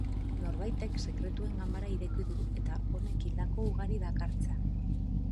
Norbaitek sekretuen ganbara ireki du eta honek hildako ugari dakartza.